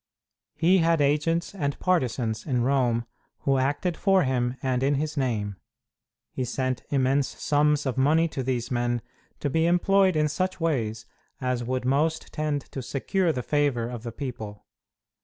He had agents and partisans in Rome who acted for him and in his name. He sent immense sums of money to these men, to be employed in such ways as would most tend to secure the favor of the people.